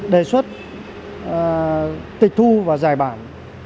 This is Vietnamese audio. đề xuất tịch thu và giải bản